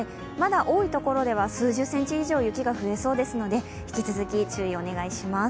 多いところでは数十センチ以上、雪が降りそうですので引き続き注意をお願いします。